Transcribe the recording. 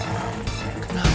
siapa yang tinggal disini